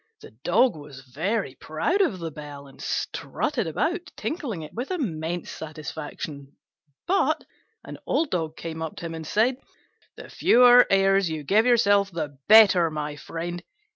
The Dog was very proud of the bell, and strutted about tinkling it with immense satisfaction. But an old dog came up to him and said, "The fewer airs you give yourself the better, my friend.